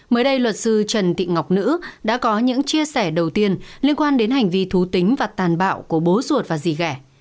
mới đây luật sư trần thị ngọc nữ đã có những chia sẻ đầu tiên liên quan đến hành vi thú tính và tàn bạo của bố ruột và rì ghẻ